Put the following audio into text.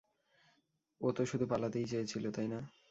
ও তো শুধু পালাতেই চেয়েছিল, তাই না?